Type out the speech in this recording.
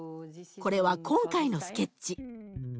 これは今回のスケッチ。